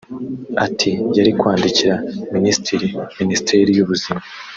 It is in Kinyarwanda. Ati "Yari kwandikira Minisitiri Minisiteri y’ubuzima